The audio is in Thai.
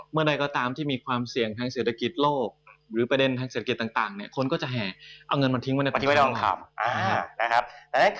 เมื่อใดก็ตามที่มีความเสี่ยงทางเศรษฐกิจโลกหรือประเด็นทางเศรษฐกิจต่างคนก็จะแห่เอาเงินมาทิ้งไว้ในตรงนี้